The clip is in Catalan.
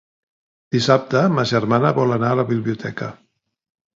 Dissabte ma germana vol anar a la biblioteca.